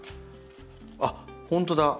あっ本当だ。